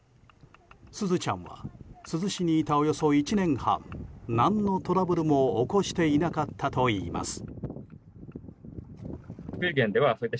すずちゃんは、珠洲市にいたおよそ１年半何のトラブルも起こしていなかったといいます。